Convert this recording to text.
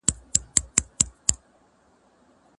هیوادونه خپل ملي حاکمیت بې له دفاع څخه نه پريږدي.